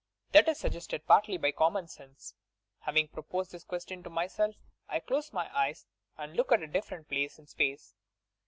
That is suggested partly by coramou sense. Ilaving proposed this question to myself I close my eyes and look at a different place in space.